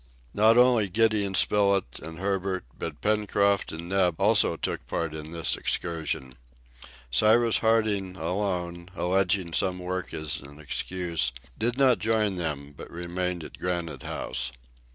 Not only Gideon Spilett and Herbert, but Pencroft and Neb also took part in this excursion. Cyrus Harding alone, alleging some work as an excuse, did not join them, but remained at Granite House.